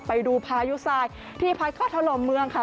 ไปดูพายุทรายที่พักก็ทะลมเมืองค่ะ